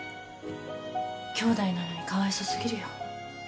きょうだいなのにかわいそ過ぎるよ。